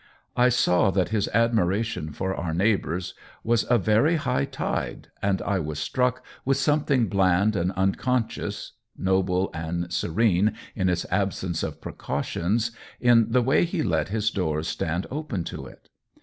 I saw that his admiration for our neighbors was a COLLABORATION 125 very high tide, and I was struck with some thing bland and unconscious (noble and serene in its absence of precautions) in the way he let his doors stand open to it.